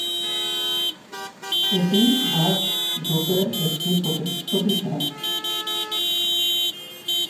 এটি মার্কস গ্রুপের একটি প্রতিষ্ঠান।